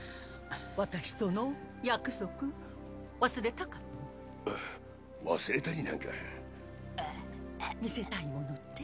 私との約束忘れたかと忘れたりなんかうぇ見せたいものって？